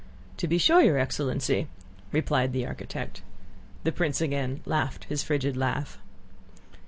"To be sure, your excellency," replied the architect. The prince again laughed his frigid laugh.